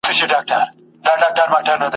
غداره زمانه ده اوس باغوان په باور نه دی !.